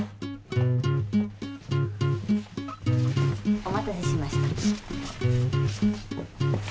お待たせしました。